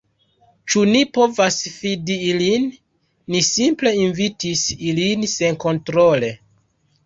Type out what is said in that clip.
Ĉu ni povas fidi ilin? Ni simple invitis ilin senkontrole